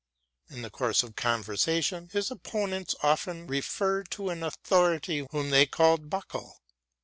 In the course of conversation, his opponents often referred to an authority whom they called "Buckle."